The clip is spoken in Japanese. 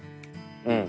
うん。